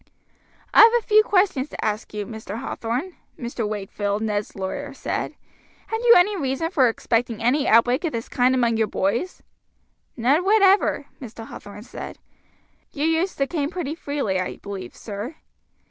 "I have a few questions to ask you, Mr. Hathorn," Mr. Wakefield, Ned's lawyer, said. "Had you any reason for expecting any outbreak of this kind among your boys?" "None whatever," Mr. Hathorn said. "You use the cane pretty freely, I believe, sir."